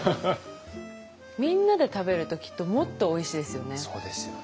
みんなで食べるときっともっとおいしいですよね。